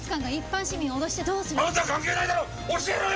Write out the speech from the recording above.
教えろよ！